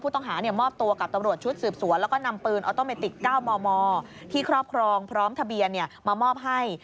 ต้องหามอบตัวกับตำรวจชุดสืบสวนแล้วก็นำปืนออโตเมติก๙มมที่ครอบครองพร้อมทะเบียนมามอบให้